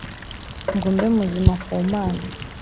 ngo mbe muzima ku Mana